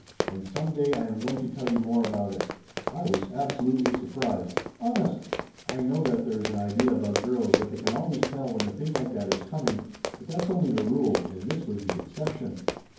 "And some day I am going to tell you more about it!" I was absolutely surprised. Honest! I know that there is an idea about girls that they can always tell when a thing like that is coming, but that's only the rule and this was the exception.